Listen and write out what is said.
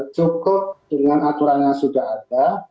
cukup dengan aturan yang sudah ada